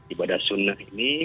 ibadah sunnah ini